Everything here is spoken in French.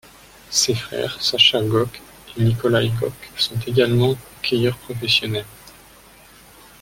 Ses frères Sascha Goc et Nikolai Goc sont également hockeyeurs professionnels.